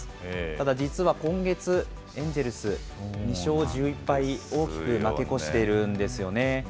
ただ、実は今月、エンジェルス、２勝１１敗、大きく負け越しているんですよね。